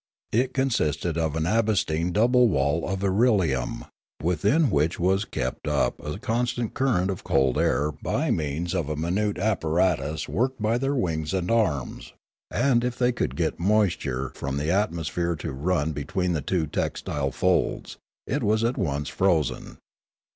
It consisted of an asbestine double wall of irelium, within which was kept up a constant current of cold air by means of a minute apparatus worked by their wings 154 Limanora and arms; and, if they could get moisture from the atmosphere to run between the two textile folds, it was at once frozen.